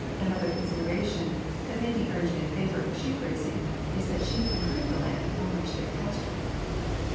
Another consideration that may be urged in favor of sheep raising is that sheep improve the land on which they are pastured.